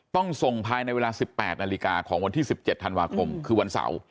ต้องส่งภายในเวลา๑๘นาฬิกาของวันที่๑๗ธันวาคมคือวันเสาร์